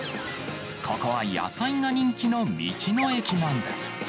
ここは野菜が人気の道の駅なんです。